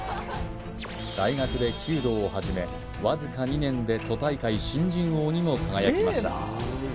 大学で弓道を始めわずか２年で都大会新人王にも輝きました